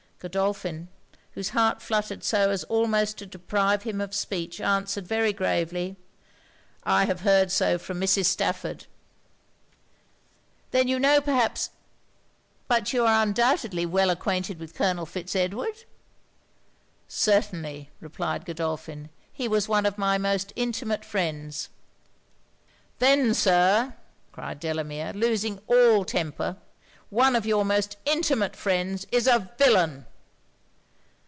Godolphin, whose heart fluttered so as almost to deprive him of speech, answered very gravely 'I have heard so from Mrs. Stafford.' 'Then you know, perhaps But you are undoubtedly well acquainted with Colonel Fitz Edward?' 'Certainly,' replied Godolphin. 'He was one of my most intimate friends.' 'Then, Sir,' cried Delamere, losing all temper, 'one of your most intimate friends is a villain!'